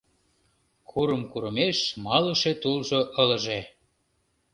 Курым-курымеш малыше тулжо ылыже.